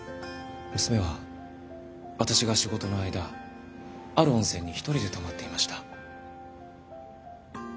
娘は私が仕事の間ある温泉に１人で泊まっていました。